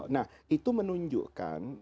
nah itu menunjukkan